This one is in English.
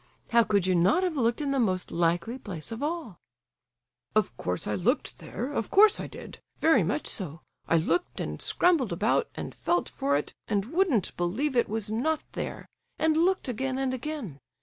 How could you not have looked in the most likely place of all?" "Of course I looked there,—of course I did! Very much so! I looked and scrambled about, and felt for it, and wouldn't believe it was not there, and looked again and again.